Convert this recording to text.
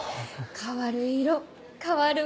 「変わる色、変わるわたし、」。